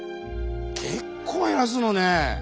結構減らすのね！